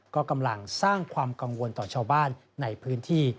ก็กำลังสร้างความกังวลต่อชาวบ้านในพื้นที่